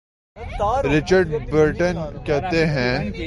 Richard Burton کہتے ہیں۔